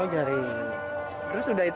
oh jari terus udah itu